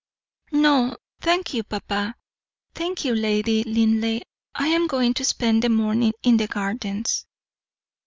"No, thank you, papa. Thank you, Lady Linleigh. I am going to spend the morning in the gardens."